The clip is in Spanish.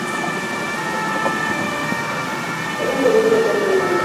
Era el segundo de cuatro hermanos.